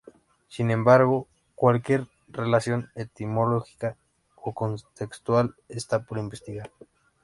Sin embargo, cualquier relación etimológica o contextual está por investigar.